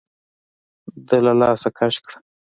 ده له لاسه کش کړه.